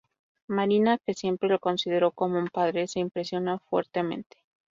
Marina, que siempre lo consideró como un padre, se impresiona fuertemente.